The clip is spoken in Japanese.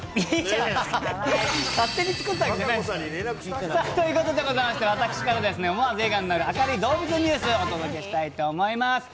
勝手に作ったわけじゃないですよ、ということでございまして、私から、思わず笑顔になる明るい動物ニュースお届けしたいと思います。